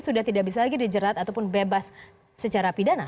sudah tidak bisa lagi dijerat ataupun bebas secara pidana